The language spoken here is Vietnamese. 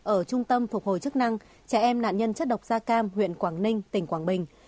ở trung tâm phục hồi chức năng trẻ em nạn nhân chất độc da cam huyện quảng ninh tỉnh quảng bình